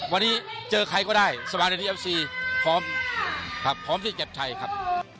วันนี้เจอใครก็ได้สมาธิตที่เอฟซีพร้อมที่เก็บไทยครับ